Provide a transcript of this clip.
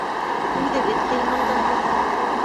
Үҙегеҙ ҡыймылдағыҙ.